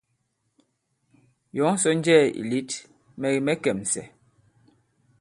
Yɔ̌ŋ sɔ nnjɛɛ̄ ì lět, mɛ̀ kì mɛ̌ kɛ̀msɛ̀.